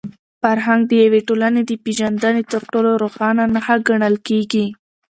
فرهنګ د یوې ټولني د پېژندني تر ټولو روښانه نښه ګڼل کېږي.